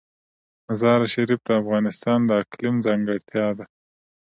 مزارشریف د افغانستان د اقلیم ځانګړتیا ده.